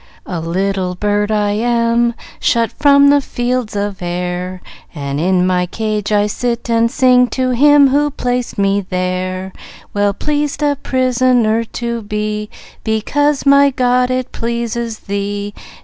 "A little bird I am, Shut from the fields of air, And in my cage I sit and sing To Him who placed me there: Well pleased a prisoner to be, Because, my God, it pleases Thee!